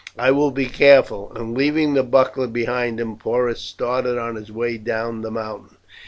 "I will be careful;" and leaving his buckler behind him, Porus started on his way down the mountain.